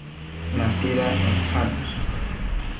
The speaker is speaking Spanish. Nacida en Hann.